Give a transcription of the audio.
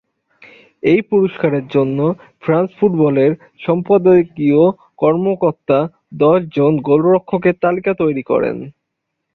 এই পুরস্কারের জন্য "ফ্রান্স ফুটবলের" সম্পাদকীয় কর্মকর্তা দশ জন গোলরক্ষকের তালিকা তৈরি করেন।